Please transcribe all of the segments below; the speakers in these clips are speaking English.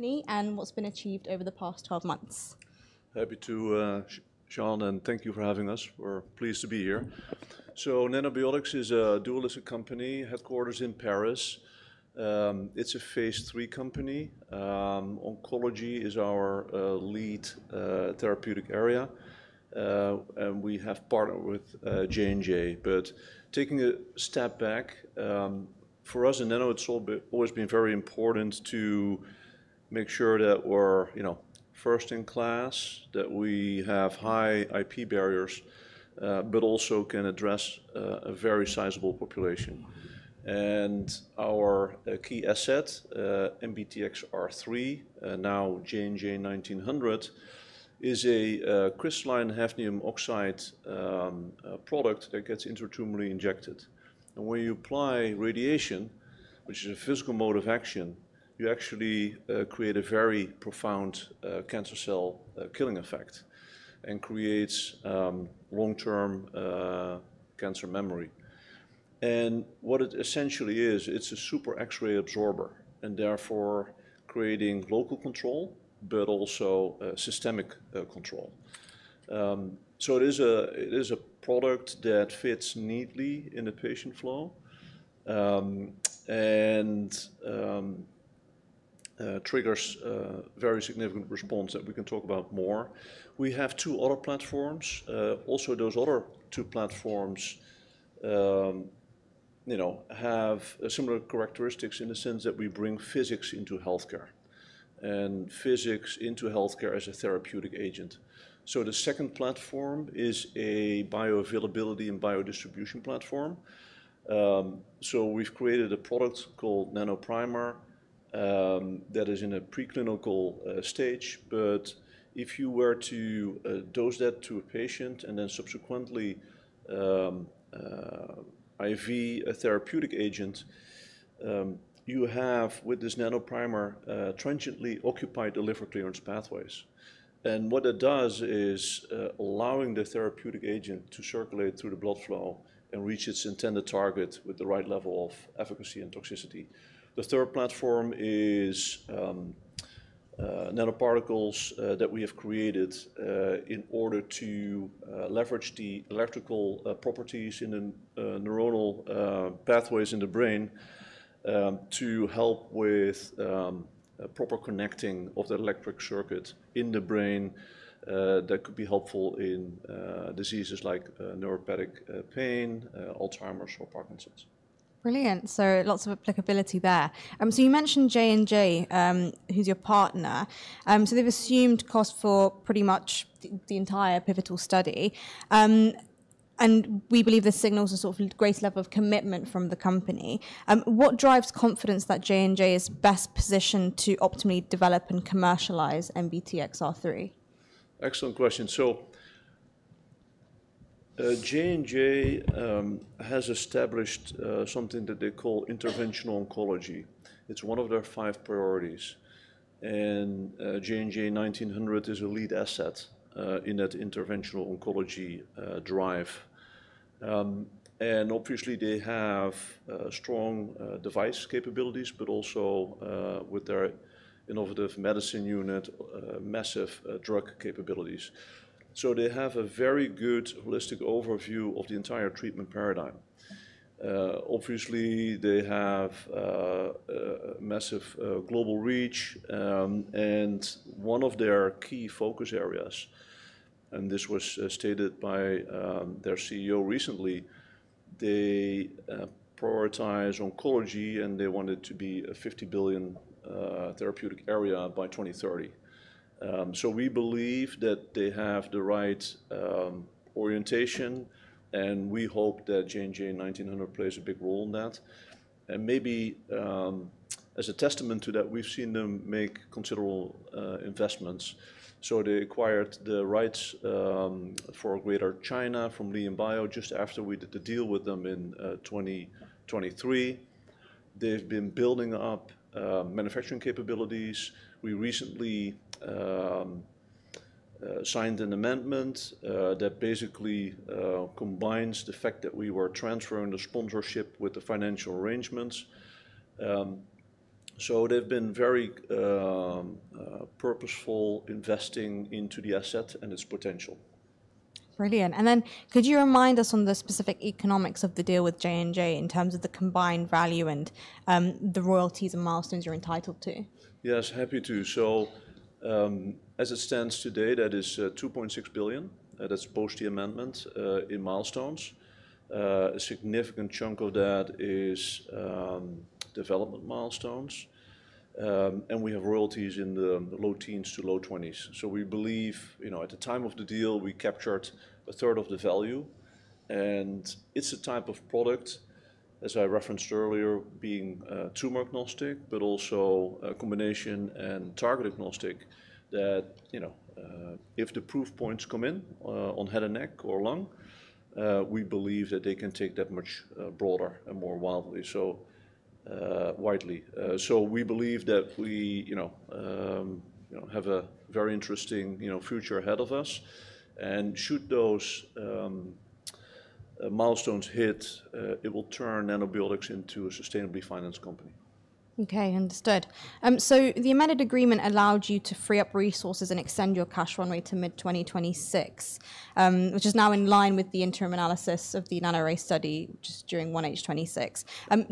What’s been achieved over the past 12 months? Happy to, Shaun, and thank you for having us. We're pleased to be here. Nanobiotix is a dual-listed company, headquartered in Paris. It's a phase III company. Oncology is our lead therapeutic area, and we have partnered with J&J. Taking a step back, for us in Nano, it's always been very important to make sure that we're, you know, first in class, that we have high IP barriers, but also can address a very sizable population. Our key asset, NBTXR3, now JNJ-1900, is a crystalline hafnium oxide product that gets intratumorally injected. When you apply radiation, which is a physical mode of action, you actually create a very profound cancer cell killing effect and create long-term cancer memory. What it essentially is, it's a super X-ray absorber, and therefore creating local control, but also systemic control. It is a product that fits neatly in the patient flow, and triggers very significant response that we can talk about more. We have two other platforms. Also, those other two platforms, you know, have similar characteristics in the sense that we bring Physics into healthcare and Physics into healthcare as a therapeutic agent. The second platform is a bioavailability and biodistribution platform. We have created a product called Nanoprimer, that is in a preclinical stage. If you were to dose that to a patient and then subsequently IV a therapeutic agent, you have, with this Nanoprimer, transiently occupied the liver clearance pathways. What it does is allowing the therapeutic agent to circulate through the blood flow and reach its intended target with the right level of efficacy and toxicity. The third platform is nanoparticles that we have created in order to leverage the electrical properties in the neuronal pathways in the brain to help with proper connecting of the electric circuit in the brain that could be helpful in diseases like neuropathic pain, Alzheimer's or Parkinson's. Brilliant. So lots of applicability there. So you mentioned J&J, who's your partner. So they've assumed cost for pretty much the entire pivotal study. And we believe this signals a sort of great level of commitment from the company. What drives confidence that J&J is best positioned to optimally develop and commercialize NBTXR3? Excellent question. J&J has established something that they call interventional oncology. It is one of their five priorities. JNJ-1900 is a lead asset in that interventional oncology drive. Obviously they have strong device capabilities, but also, with their innovative medicine unit, massive drug capabilities. They have a very good holistic overview of the entire treatment paradigm. Obviously they have massive global reach, and one of their key focus areas, and this was stated by their CEO recently, they prioritize oncology and they want it to be a $50 billion therapeutic area by 2030. We believe that they have the right orientation and we hope that JNJ-1900 plays a big role in that. Maybe, as a testament to that, we have seen them make considerable investments. They acquired the rights for Greater China from LianBio just after we did the deal with them in 2023. They've been building up manufacturing capabilities. We recently signed an amendment that basically combines the fact that we were transferring the sponsorship with the financial arrangements. They've been very purposeful investing into the asset and its potential. Brilliant. Could you remind us on the specific economics of the deal with J&J in terms of the combined value, and the royalties and milestones you're entitled to? Yes, happy to. As it stands today, that is, $2.6 billion. That is post the amendment, in milestones. A significant chunk of that is development milestones. We have royalties in the low-teens to low-twenties. We believe, you know, at the time of the deal, we captured a third of the value. It is a type of product, as I referenced earlier, being tumor agnostic, but also a combination and target agnostic that, you know, if the proof points come in on head and neck or lung, we believe that they can take that much broader and more widely. We believe that we, you know, have a very interesting, you know, future ahead of us. Should those milestones hit, it will turn Nanobiotix into a sustainably financed company. Okay, understood. So the amended agreement allowed you to free up resources and extend your cash runway to mid 2026, which is now in line with the interim analysis of the NANORAY study just during 1H26.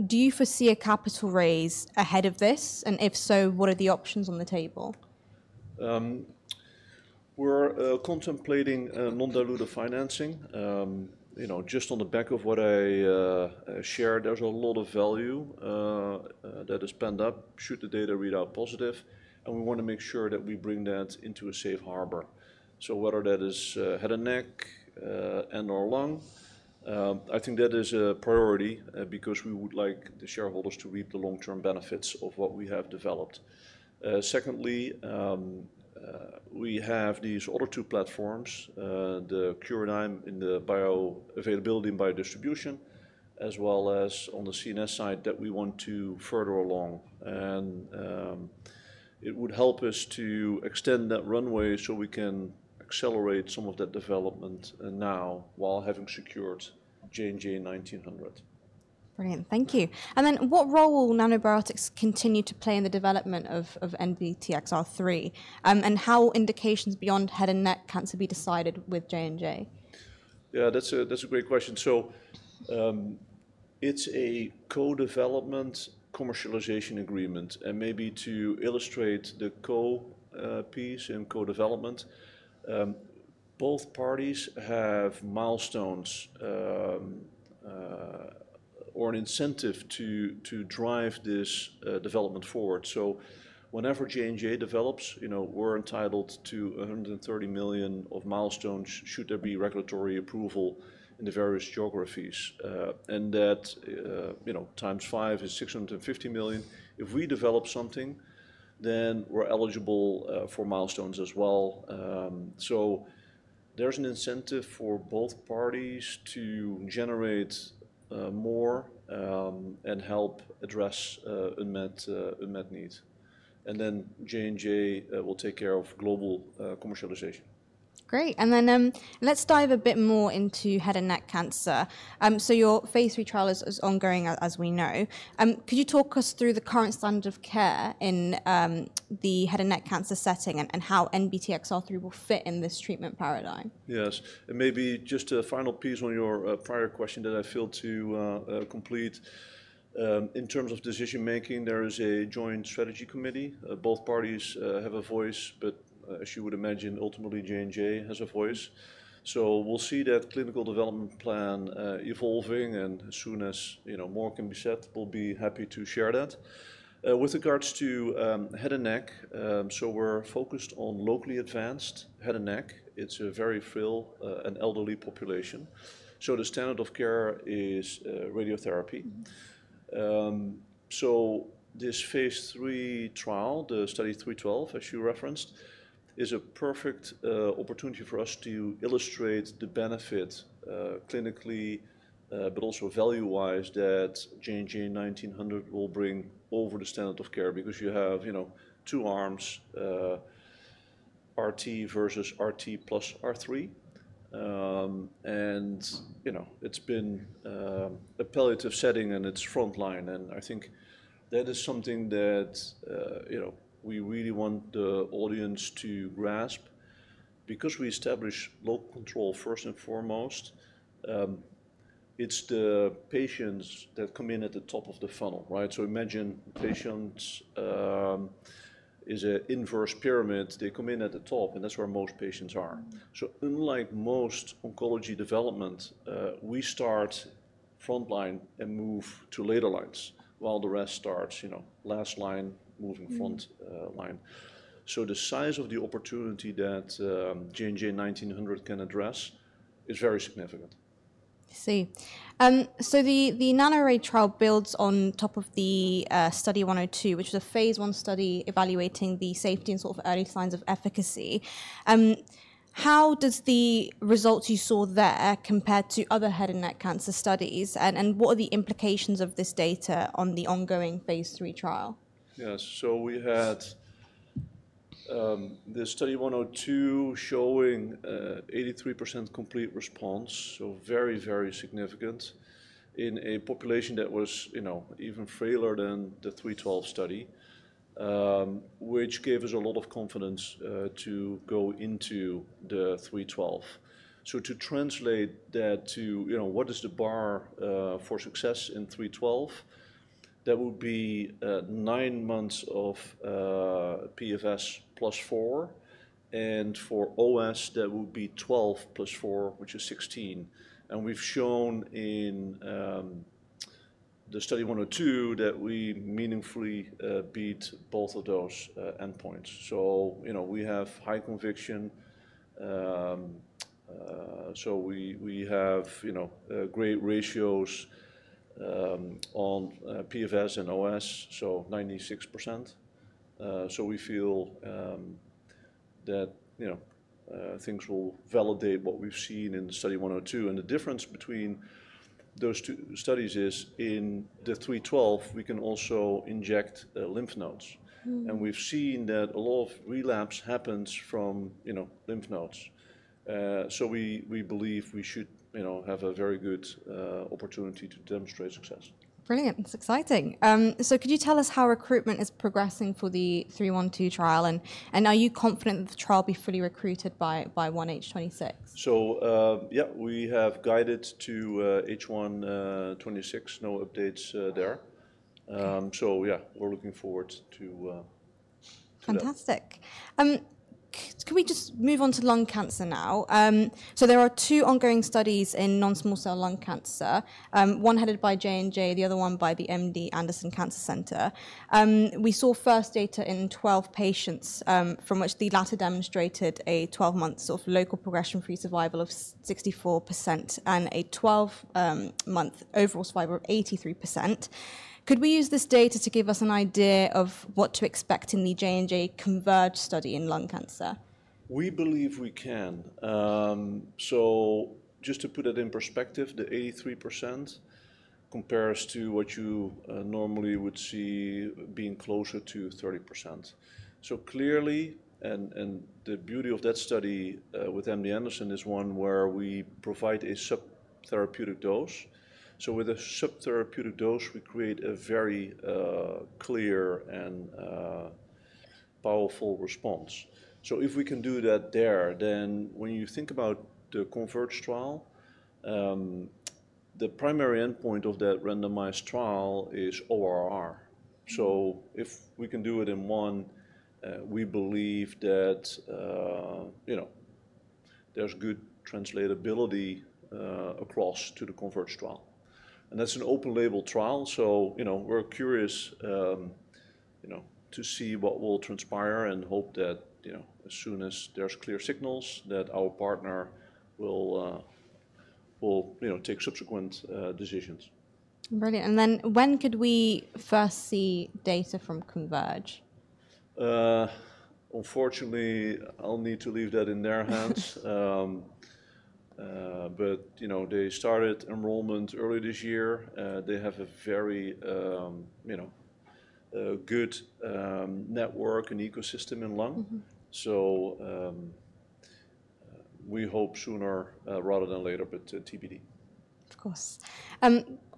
Do you foresee a capital raise ahead of this? And if so, what are the options on the table? We're contemplating non-dilutive financing. You know, just on the back of what I shared, there's a lot of value that is spent up should the data read out positive. We want to make sure that we bring that into a safe harbor. Whether that is head and neck and/or lung, I think that is a priority, because we would like the shareholders to reap the long-term benefits of what we have developed. Secondly, we have these other two platforms, the Curadigm Nanoprimer Platform in the bioavailability and biodistribution, as well as on the CNS side that we want to further along. It would help us to extend that runway so we can accelerate some of that development now while having secured JNJ-1900. Brilliant. Thank you. What role will Nanobiotix continue to play in the development of NBTXR3, and how will indications beyond head and neck cancer be decided with J&J? Yeah, that's a great question. It's a co-development commercialization agreement. Maybe to illustrate the co piece in co-development, both parties have milestones, or an incentive to drive this development forward. Whenever J&J develops, we're entitled to $130 million of milestones should there be regulatory approval in the various geographies. That, times five, is $650 million. If we develop something, then we're eligible for milestones as well. There's an incentive for both parties to generate more and help address unmet needs. J&J will take care of global commercialization. Great. Let's dive a bit more into head and neck cancer. Your phase III trial is ongoing, as we know. Could you talk us through the current standard of care in the head and neck cancer setting and how NBTXR3 will fit in this treatment paradigm? Yes. Maybe just a final piece on your prior question that I failed to complete. In terms of decision making, there is a joint strategy committee. Both parties have a voice, but, as you would imagine, ultimately J&J has a voice. We will see that clinical development plan evolving. As soon as, you know, more can be set, we will be happy to share that. With regards to head and neck, we are focused on locally advanced head and neck. It is a very frail and elderly population. The standard of care is radiotherapy. This phase III trial, the study 312, as you referenced, is a perfect opportunity for us to illustrate the benefit clinically, but also value-wise that JNJ-1900 will bring over the standard of care because you have, you know, two arms, RT versus RT plus R3. and, you know, it's been, a palliative setting and it's frontline. I think that is something that, you know, we really want the audience to grasp because we establish local control first and foremost. it's the patients that come in at the top of the funnel, right? Imagine the patient is an inverse pyramid. They come in at the top and that's where most patients are. unlike most oncology development, we start frontline and move to later lines while the rest starts, you know, last line moving front, line. The size of the opportunity that, JNJ-1900 can address is very significant. I see. So the NANORAY trial builds on top of the study 102, which was a phase I study evaluating the safety and sort of early signs of efficacy. How does the results you saw there compare to other head and neck cancer studies? What are the implications of this data on the ongoing phase III trial? Yeah, so we had this study 102 showing 83% complete response. So very, very significant in a population that was, you know, even frailer than the 312 study, which gave us a lot of confidence to go into the 312. To translate that to, you know, what is the bar for success in 312, that would be nine months of PFS plus four. For OS, that would be 12 plus four, which is 16. We've shown in the study 102 that we meaningfully beat both of those endpoints. You know, we have high conviction. We have, you know, great ratios on PFS and OS. So 96%. We feel that, you know, things will validate what we've seen in the study 102. The difference between those two studies is in the 312, we can also inject lymph nodes. We've seen that a lot of relapse happens from, you know, lymph nodes. We believe we should, you know, have a very good opportunity to demonstrate success. Brilliant. That's exciting. So could you tell us how recruitment is progressing for the 312 trial? And are you confident that the trial will be fully recruited by 1H 2026? Yeah, we have guided to H1 2026. No updates there. Yeah, we're looking forward to, Fantastic. Can we just move on to lung cancer now? There are two ongoing studies in non-small cell lung cancer, one headed by J&J, the other one by the MD Anderson Cancer Center. We saw first data in 12 patients, from which the latter demonstrated a 12-month local progression-free survival of 64% and a 12-month overall survival of 83%. Could we use this data to give us an idea of what to expect in the J&J Converged study in lung cancer? We believe we can. Just to put it in perspective, the 83% compares to what you normally would see being closer to 30%. Clearly, the beauty of that study with MD Anderson is one where we provide a sub-therapeutic dose. With a sub-therapeutic dose, we create a very clear and powerful response. If we can do that there, then when you think about the Converged trial, the primary endpoint of that randomized trial is ORR. If we can do it in one, we believe that, you know, there's good translatability across to the Converged trial. That is an open label trial. You know, we're curious to see what will transpire and hope that, you know, as soon as there's clear signals that our partner will, you know, take subsequent decisions. Brilliant. When could we first see data from Converged? Unfortunately, I'll need to leave that in their hands. But, you know, they started enrollment early this year. They have a very, you know, good network and ecosystem in lung. So, we hope sooner, rather than later, but TBD. Of course.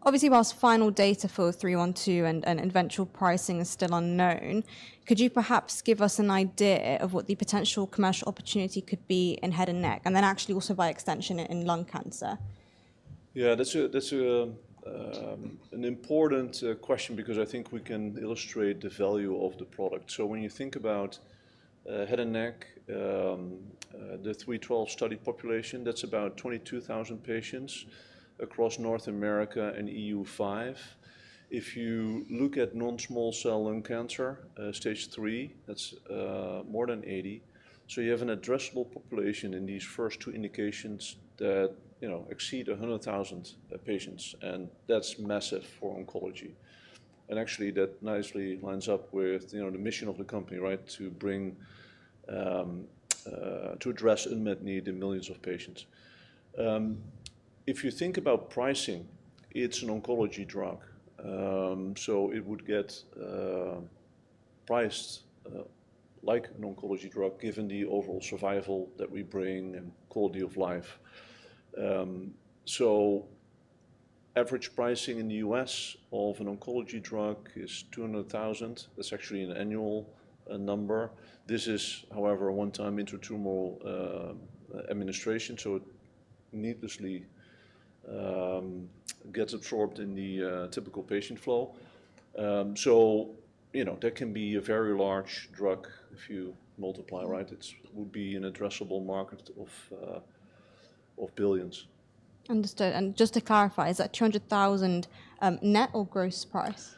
Obviously whilst final data for 312 and, and eventual pricing is still unknown, could you perhaps give us an idea of what the potential commercial opportunity could be in head and neck and then actually also by extension in lung cancer? Yeah, that's an important question because I think we can illustrate the value of the product. When you think about head and neck, the 312 study population, that's about 22,000 patients across North America and EU5. If you look at non-small cell lung cancer, stage three, that's more than 80,000. You have an addressable population in these first two indications that, you know, exceed 100,000 patients. That's massive for oncology. Actually, that nicely lines up with, you know, the mission of the company, right? To bring, to address unmet need in millions of patients. If you think about pricing, it's an oncology drug, so it would get priced like an oncology drug given the overall survival that we bring and quality of life. Average pricing in the U.S. of an oncology drug is $200,000. That's actually an annual number. This is, however, a one-time intratumoral administration. So it needlessly gets absorbed in the typical patient flow. So, you know, that can be a very large drug if you multiply, right? It would be an addressable market of billions. Understood. Just to clarify, is that $200,000 net or gross price?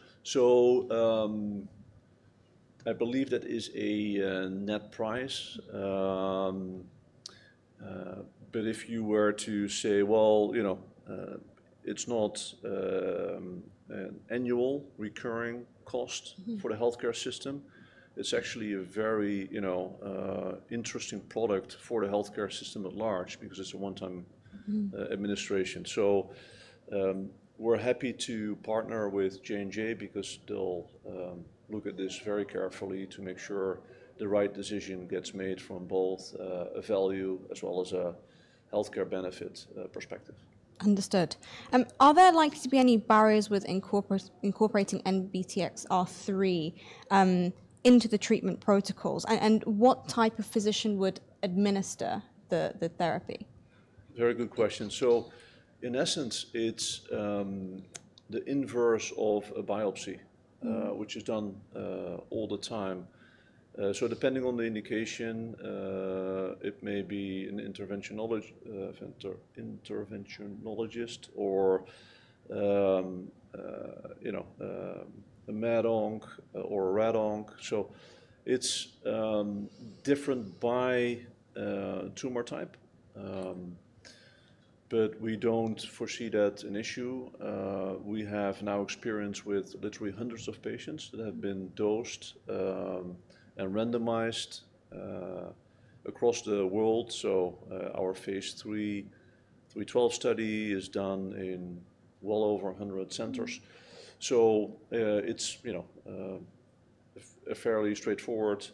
I believe that is a net price. If you were to say, well, you know, it's not an annual recurring cost for the healthcare system. It's actually a very, you know, interesting product for the healthcare system at large because it's a one-time administration. We're happy to partner with J&J because they'll look at this very carefully to make sure the right decision gets made from both a value as well as a healthcare benefit perspective. Understood. Are there likely to be any barriers with incorporating NBTXR3 into the treatment protocols? And what type of physician would administer the therapy? Very good question. In essence, it's the inverse of a biopsy, which is done all the time. Depending on the indication, it may be an interventional, interventional or, you know, a Med Onc or a Radonc. It's different by tumor type. We don't foresee that an issue. We have now experience with literally hundreds of patients that have been dosed and randomized across the world. Our phase III, 312 study is done in well over 100 centers. It's a fairly straightforward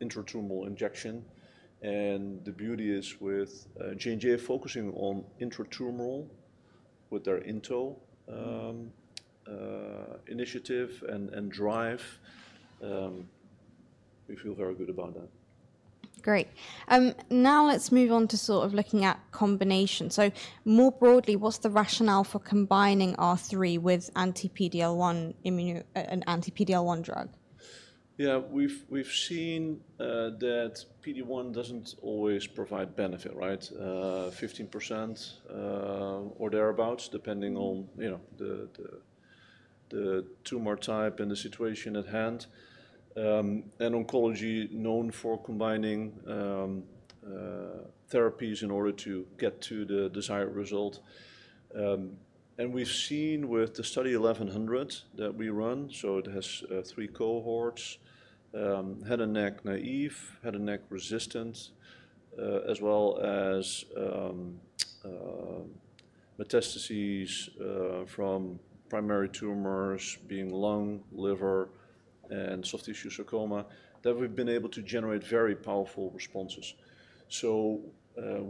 intratumoral injection. The beauty is with J&J focusing on intratumoral with their Into initiative and drive, we feel very good about that. Great. Now let's move on to sort of looking at combination. So more broadly, what's the rationale for combining R3 with Anti-PD-L1 immuno and Anti-PD-L1 drug? Yeah, we've seen that PD-1 doesn't always provide benefit, right? 15%, or thereabouts, depending on, you know, the tumor type and the situation at hand. And oncology known for combining therapies in order to get to the desired result. We've seen with the study 1100 that we run, it has three cohorts, head and neck naive, head and neck resistance, as well as metastases from primary tumors being lung, liver, and soft tissue sarcoma, that we've been able to generate very powerful responses.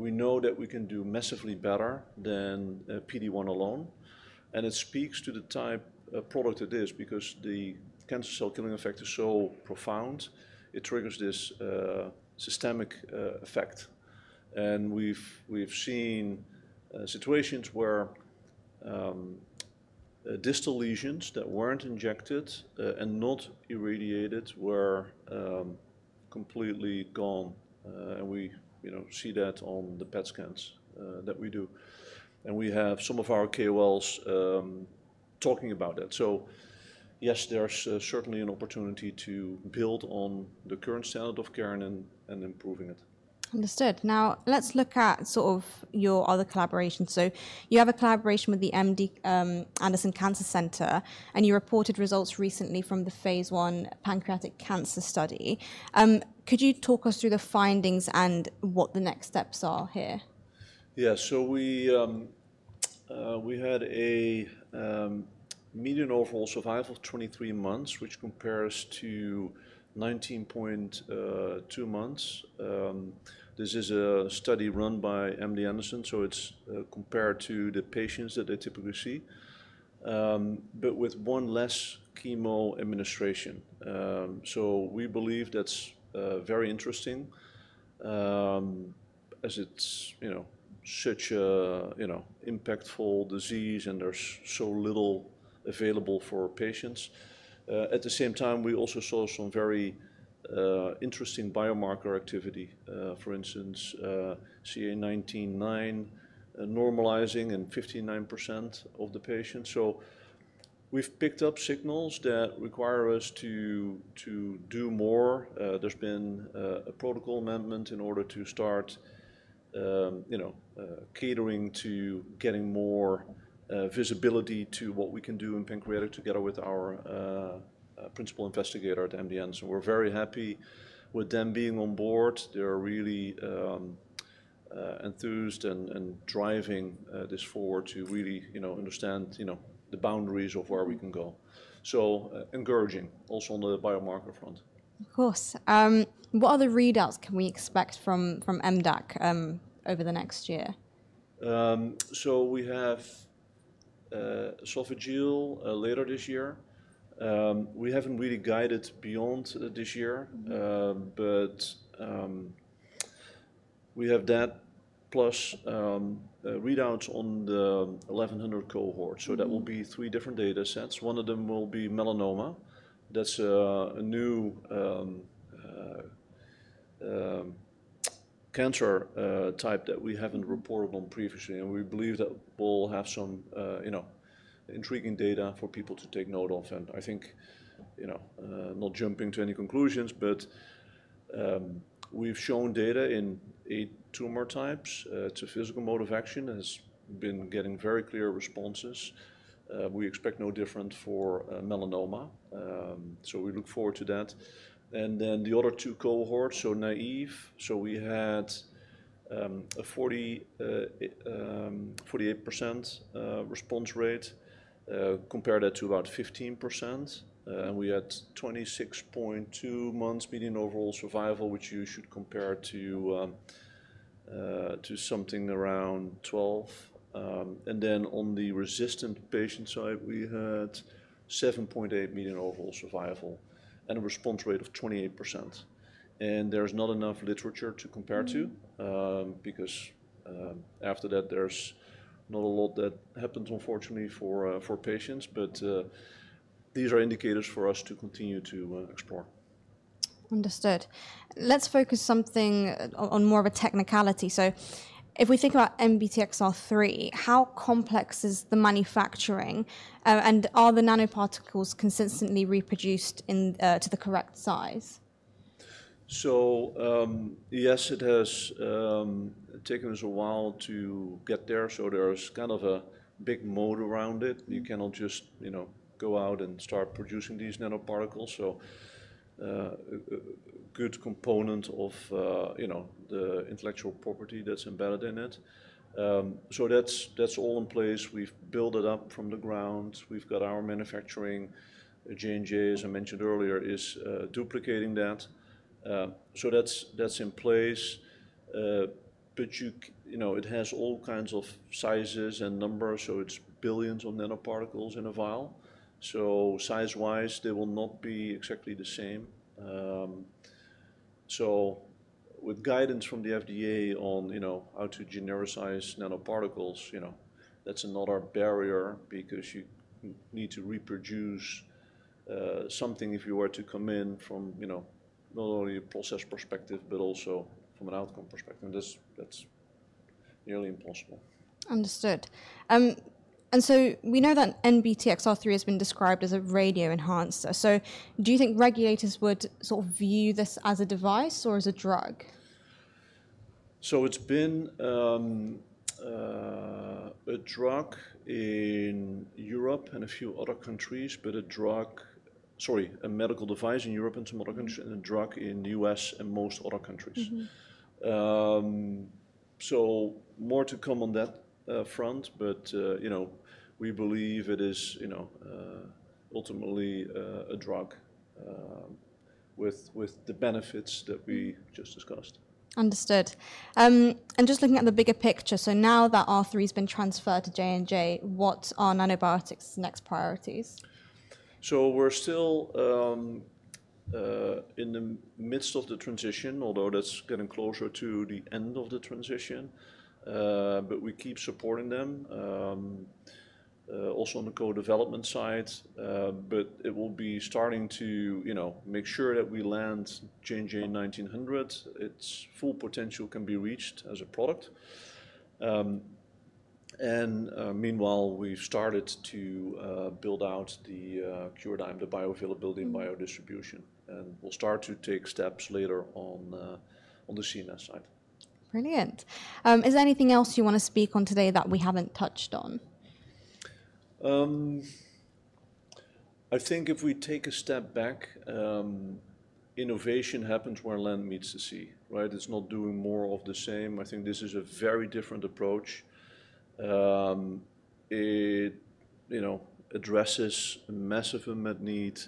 We know that we can do massively better than PD-1 alone. It speaks to the type of product it is because the cancer cell killing effect is so profound. It triggers this systemic effect. We've seen situations where distal lesions that weren't injected and not irradiated were completely gone. and we, you know, see that on the PET scans that we do. And we have some of our KOLs talking about that. Yes, there's certainly an opportunity to build on the current standard of care and improving it. Understood. Now let's look at sort of your other collaboration. So you have a collaboration with the MD Anderson Cancer Center and you reported results recently from the phase I pancreatic cancer study. Could you talk us through the findings and what the next steps are here? Yeah, so we had a median overall survival of 23 months, which compares to 19.2 months. This is a study run by MD Anderson. It's compared to the patients that they typically see, but with one less chemo administration. We believe that's very interesting, as it's, you know, such a, you know, impactful disease and there's so little available for patients. At the same time, we also saw some very interesting biomarker activity, for instance, CA 19-9 normalizing in 59% of the patients. We've picked up signals that require us to do more. There's been a protocol amendment in order to start, you know, catering to getting more visibility to what we can do in pancreatic together with our principal investigator at MD Anderson. We're very happy with them being on board. They're really enthused and driving this forward to really, you know, understand, you know, the boundaries of where we can go. Encouraging also on the biomarker front. Of course. What other readouts can we expect from, from MDACC over the next year? We have esophageal later this year. We haven't really guided beyond this year, but we have that plus readouts on the 1100 cohort. That will be three different data sets. One of them will be melanoma. That's a new cancer type that we haven't reported on previously. We believe that we'll have some, you know, intriguing data for people to take note of. I think, you know, not jumping to any conclusions, but we've shown data in eight tumor types, the physical mode of action has been getting very clear responses. We expect no different for melanoma. We look forward to that. Then the other two cohorts, so naive. We had a 48% response rate, compared that to about 15%. We had 26.2 months median overall survival, which you should compare to something around 12. and then on the resistant patient side, we had 7.8 median overall survival and a response rate of 28%. There's not enough literature to compare to, because, after that, there's not a lot that happens unfortunately for, for patients, but these are indicators for us to continue to explore. Understood. Let's focus something on more of a technicality. So if we think about NBTXR3, how complex is the manufacturing? and are the nanoparticles consistently reproduced in, to the correct size? Yes, it has taken us a while to get there. There is kind of a big moat around it. You cannot just, you know, go out and start producing these nanoparticles. A good component of the intellectual property is embedded in it, so that is all in place. We have built it up from the ground. We have got our manufacturing. J&J, as I mentioned earlier, is duplicating that, so that is in place. You know, it has all kinds of sizes and numbers. It is billions of nanoparticles in a vial. Size-wise, they will not be exactly the same. With guidance from the FDA on how to genericize nanoparticles, that is another barrier because you need to reproduce something if you were to come in from not only a process perspective, but also from an outcome perspective. That's nearly impossible. Understood. And so we know that NBTXR3 has been described as a radio enhancer. So do you think regulators would sort of view this as a device or as a drug? It's been a medical device in Europe and some other countries and a drug in the U.S. and most other countries. More to come on that front, but, you know, we believe it is, you know, ultimately, a drug, with the benefits that we just discussed. Understood. And just looking at the bigger picture. So now that NBTXR3 has been transferred to J&J, what are Nanobiotix's next priorities? We're still in the midst of the transition, although that's getting closer to the end of the transition. We keep supporting them, also on the co-development side. It will be starting to, you know, make sure that we land JNJ-1900. Its full potential can be reached as a product. Meanwhile, we've started to build out the bioavailability and biodistribution. We'll start to take steps later on, on the CNS side. Brilliant. Is there anything else you wanna speak on today that we haven't touched on? I think if we take a step back, innovation happens where land meets the sea, right? It's not doing more of the same. I think this is a very different approach. It, you know, addresses a massive immediate need.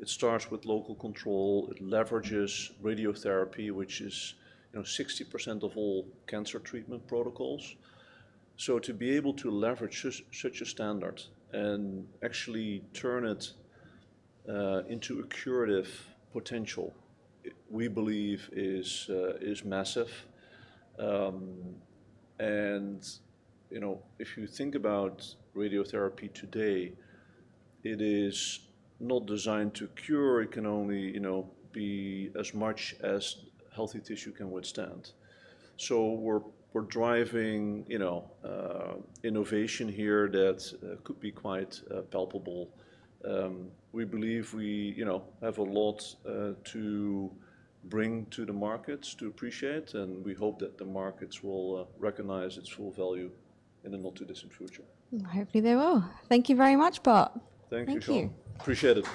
It starts with local control. It leverages radiotherapy, which is, you know, 60% of all Cancer Treatment Protocols. To be able to leverage such a standard and actually turn it into a curative potential, we believe is massive. You know, if you think about radiotherapy today, it is not designed to cure. It can only, you know, be as much as healthy tissue can withstand. We're driving, you know, innovation here that could be quite palpable. We believe we, you know, have a lot to bring to the markets to appreciate. We hope that the markets will recognize its full value in the not too distant future. Hopefully they will. Thank you very much, Bart. Thank you. Thank you. Appreciate it.